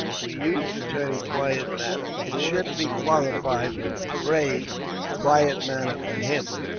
We use the term quiet manner: it should be qualified with the phrase, quiet manner for him.